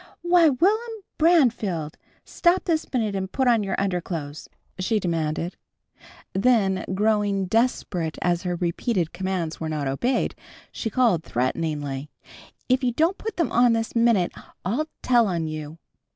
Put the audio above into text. "Why, Will'm Branfield! Stop this minute and put on your underclothes!" she demanded. Then growing desperate as her repeated commands were not obeyed, she called threateningly, "If you don't put them on this minute I'll tell on you."